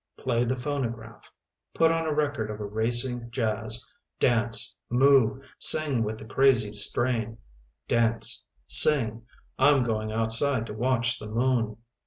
Play the phonograph. Put on a record of a racing jazz. Dance. Move. Sing with the crazy strain. Dance. Sing. I'm going outside to watch the moon.